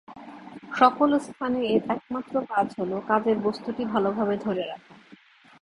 সকল স্থানে এর একমাত্র কাজ হোল কাজের বস্তুটি ভালোভাবে ধরে রাখা।